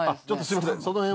ちょっとすいません。